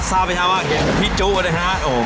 ซาวเป็นยาวะพี่จุ๊กนะครับ